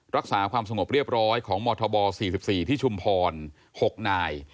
รักษาความสงบเรียบร้อยของมธบ๔๔ที่ชุมพร๖นาย